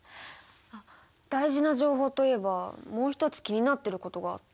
大事な情報といえばもう一つ気になってることがあって。